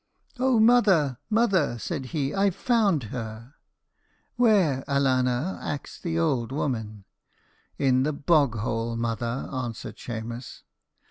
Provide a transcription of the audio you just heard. "Oh, mother, mother," said he, "I've found her!" "Where, alanna?" axed the ould woman. "In the bog hole, mother," answered Shemus.